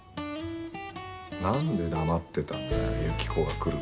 なんで黙ってたんだよ由紀子が来る事。